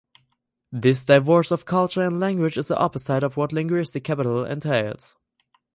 This divorce of culture and language is the opposite of what linguistic capital entails.